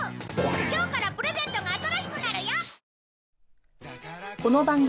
今日からプレゼントが新しくなるよ！